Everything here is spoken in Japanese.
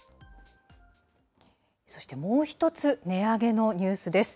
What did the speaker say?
そしてもう一つ、値上げのニュースです。